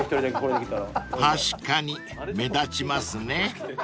［確かに目立ちますね］